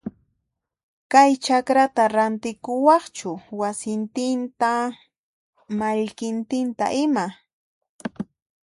Kay chakrata rantikuwaqchu wasintinta mallkintinta ima?